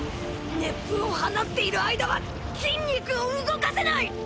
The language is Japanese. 熱風を放っている間は筋肉を動かせない！！